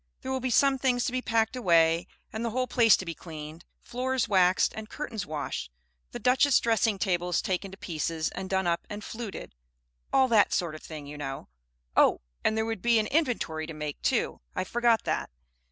There will be some things to be packed away, and the whole place to be cleaned, floors waxed and curtains washed, the Duchesse dressing tables taken to pieces and done up and fluted, all that sort of thing, you know. Oh! and there would be an inventory to make, too; I forgot that.